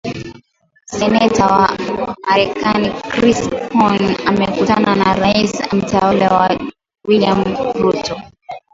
Seneta wa Marekani Chris Coons amekutana na rais mteule wa Kenya William Ruto